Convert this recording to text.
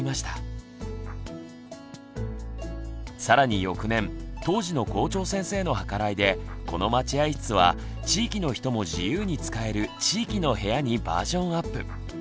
更に翌年当時の校長先生の計らいでこの「待合室」は地域の人も自由に使える「地域の部屋」にバージョンアップ。